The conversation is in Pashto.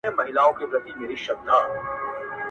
o جار دي سم روپۍ، چي هم سپر ئې، هم گدۍ.